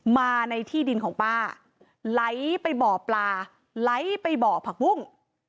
มาในที่ดินของป้าไหลไปบ่อปลาไหลไปบ่อผักบุ้ง